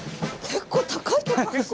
結構高い。